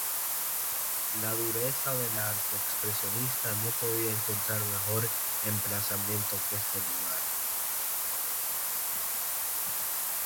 La dureza del arte expresionista no podía encontrar mejor emplazamiento que este lugar.